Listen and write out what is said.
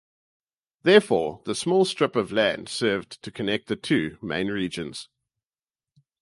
Therefore, the small strip of land served to connect the two main regions.